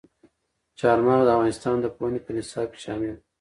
چار مغز د افغانستان د پوهنې په نصاب کې شامل دي.